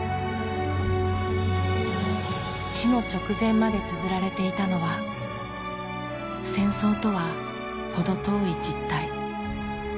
死の直前までつづられていたのは戦争とは程遠い実態。